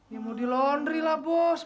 ya mau dilondri lah bos